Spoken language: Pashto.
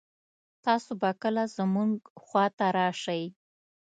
تاسو به کله مونږ خوا ته راشئ